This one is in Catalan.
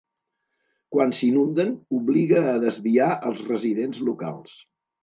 Quan s'inunden obliga a desviar els residents locals.